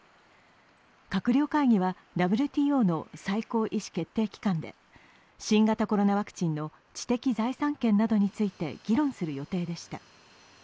閣僚会議はＷＴＯの最高意思決定機関で、新型コロナワクチンの知的財産権などについて議論する予定でした。